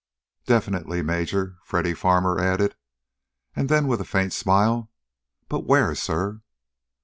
"Definitely, Major," Freddy Farmer added. And then with a faint smile, "But where, sir?"